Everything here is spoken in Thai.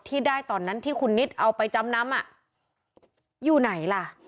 ที่ได้ตอนนั้นที่คุณนิดเอาไปจำนำอยู่ไหนล่ะ